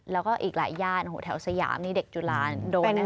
แล้วก็อีกหลายย่านแถวสยามนี่เด็กจุฬาโดนแน่